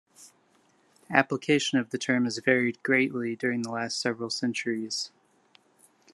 Application of the term has varied greatly during the last several centuries.